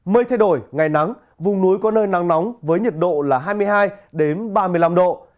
mây thay đổi ngày nắng vùng núi có nơi nắng nóng với nhiệt độ là hai mươi hai ba mươi năm độ